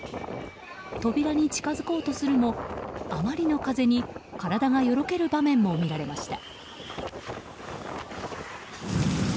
扉に近づこうとするもあまりの風に体がよろける場面も見られました。